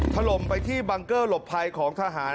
ถล่มไปที่บังเกอร์หลบภัยของเมียนมา